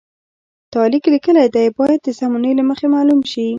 تا لیک لیکلی دی باید د زمانې له مخې معلوم شي.